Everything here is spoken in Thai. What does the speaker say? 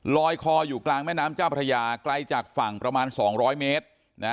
ลอยคออยู่กลางแม่น้ำเจ้าพระยาไกลจากฝั่งประมาณ๒๐๐เมตร